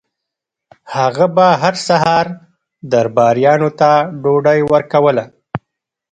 هغه به هر سهار درباریانو ته ډوډۍ ورکوله.